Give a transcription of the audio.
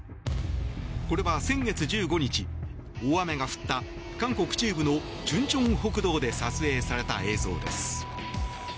これは先月１５日、大雨が降った韓国中部のチュンチョン北道で撮影された映像です。